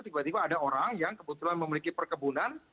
tiba tiba ada orang yang kebetulan memiliki perkebunan